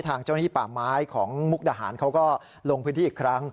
ทางเจ้าหน้าที่ป่าไม้ของมุกดาหารเขาก็ลงพื้นที่อีกครั้ง